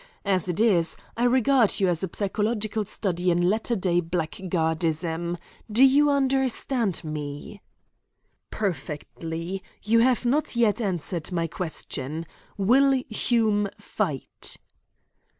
As it is, I regard you as a psychological study in latter day blackguardism. Do you understand me?" "Perfectly. You have not yet answered my question. Will Hume fight?"